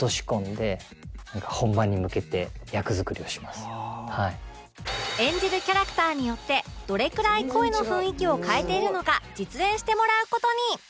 そもそも演じるキャラクターによってどれくらい声の雰囲気を変えているのか実演してもらう事に